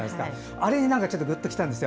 あれにぐっときたんですよ。